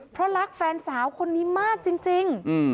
เพราะรักแฟนสาวคนนี้มากจริง